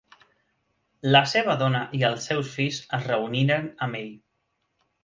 La seva dona i els seus fills es reuniren amb ell.